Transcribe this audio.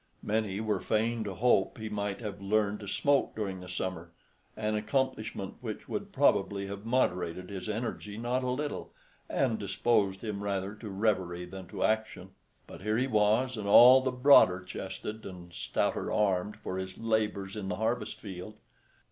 Many were fain to hope he might have learned to smoke during the summer, an accomplishment which would probably have moderated his energy not a little, and disposed him rather to reverie than to action. But here he was, and all the broader chested and stouter armed for his labors in the harvest field.